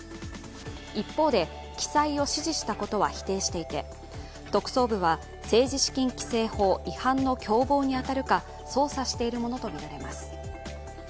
一方で、記載を指示したことは否定していて特捜部は政治資金規正法違反の共謀に当たるか捜査しているものとみられます。